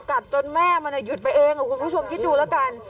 กัดจนแม่มันหยุดไปเองคุณผู้ชมคิดดูแล้วกัน